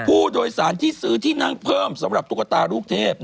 ผู้โดยสารที่ซื้อที่นั่งเพิ่มสำหรับตุ๊กตาลูกเทพ